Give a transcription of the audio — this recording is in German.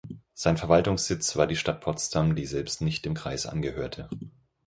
Sein Verwaltungssitz war die Stadt Potsdam, die selbst nicht dem Kreis angehörte.